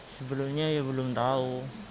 sebelumnya ya belum tahu